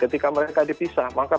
ketika mereka bersama untuk setengah watt